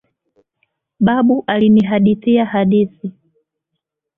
Babu alinihadhithia hadithi.